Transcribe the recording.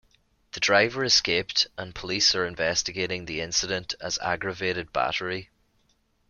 The driver escaped, and police are investigating the incident as aggravated battery.